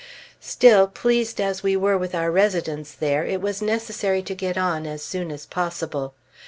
Still, pleased as we were with our residence there, it was necessary to get on as soon as possible.